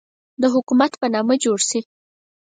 د حکومت په نامه جوړ شي.